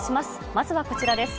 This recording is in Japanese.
まずはこちらです。